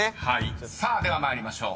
［では参りましょう。